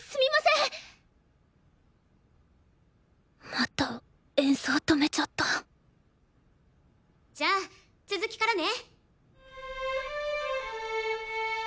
また演奏止めちゃったじゃあ続きからね！